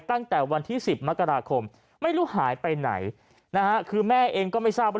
ตั้งแต่วันที่๑๐มกราคมไม่รู้หายไปไหนนะฮะคือแม่เองก็ไม่ทราบว่า